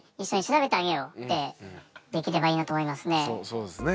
そうですね。